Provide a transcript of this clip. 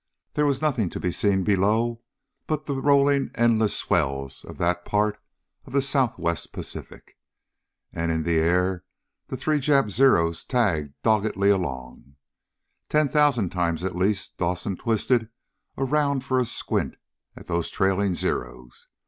There was nothing to be seen below but the rolling endless swells of that part of the Southwest Pacific. And in the air the three Jap Zeros tagging doggedly along. Ten thousand times, at least, Dawson twisted around for a squint at those trailing Zeros.